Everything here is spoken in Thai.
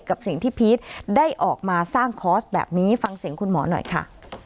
กับสิ่งที่พีชได้ออกมาสร้างคอร์สแบบนี้ฟังเสียงคุณหมอหน่อยค่ะ